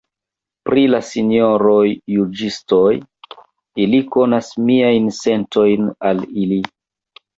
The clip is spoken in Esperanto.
Pri la sinjoroj juĝistoj, ili konas miajn sentojn al ili.